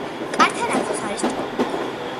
კართან ახლოს არის ჭა.